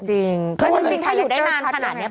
จริงถ้าอยู่ได้นานขนาดนี้